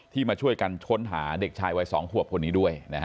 ที่มาช่วยกันช้นหาเด็กชายวัย๒หัวพนนี้ด้วยนะฮะ